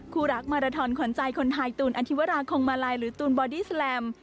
คู่รักมาราทอนขวัญใจคนไทยตูนอธิวราคงมาลัยหรือตูนบอดี้แลม